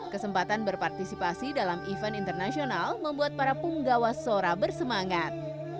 kesempatan berpartisipasi dalam event internasional membuat para punggawa sora bersemangat